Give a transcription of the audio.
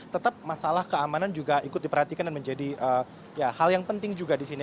tetap masalah keamanan juga ikut diperhatikan dan menjadi hal yang penting juga di sini